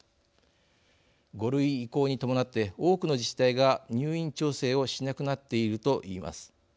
５類移行に伴って多くの自治体が入院調整をしなくなっているといいます。